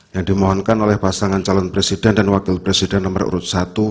yang dimohonkan oleh pasangan calon presiden dan wakil presiden nomor urut satu